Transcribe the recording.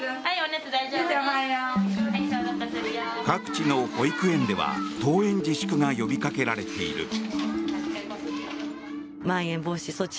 各地の保育園では登園自粛が呼びかけられている。